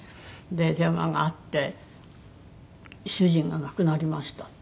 電話があって「主人が亡くなりました」って。